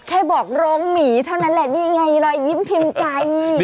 แค่บอกร้องหมีเท่านั้นแหละนี่ไงรอยยิ้มพิมพ์ใจ